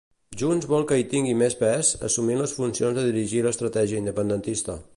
Junts vol que hi tingui més pes, assumint les funcions de dirigir l'estratègia independentista.